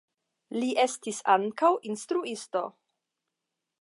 Li estis ankaŭ instruisto.